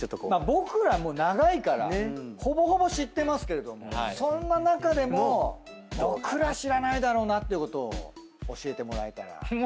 僕らも長いからほぼほぼ知ってますけれどもそんな中でも僕ら知らないだろうなってことを教えてもらえたら。